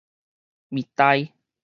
物代